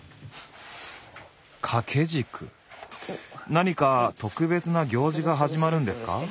何か特別な行事が始まるんですか？